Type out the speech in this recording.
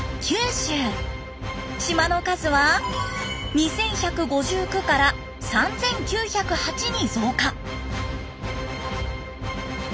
島の数は２，１５９から３，９０８に増加。